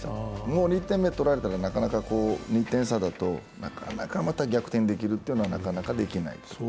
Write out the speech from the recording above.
もう２点目取られたら、２点差だとなかなか逆転できるというのはなかなかできない。